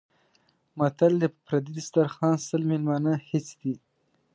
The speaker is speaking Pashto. متل دی: په پردي دیسترخوا سل مېلمانه هېڅ دي.